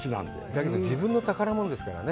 だけど、自分の宝物ですからね。